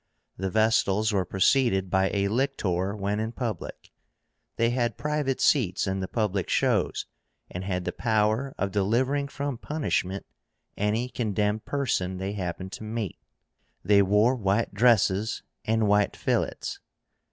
The Vestals were preceded by a lictor when in public. They had private seats in the public shows, and had the power of delivering from punishment any condemned person they happened to meet. They wore white dresses and white fillets.